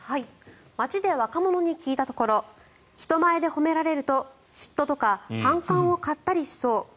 街で若者に聞いたところ人前で褒められると嫉妬とか反感を買ったりしそう。